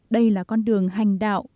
đây là con đường hành đạo